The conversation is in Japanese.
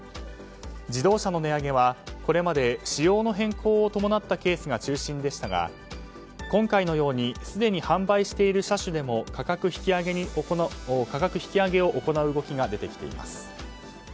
自動車の値上げは、これまで仕様の変更を伴ったケースが中心でしたが、今回のようにすでに販売している車種でも価格引き上げを行う動きが出てきています。